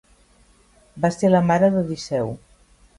Va ser la mare d'Odisseu.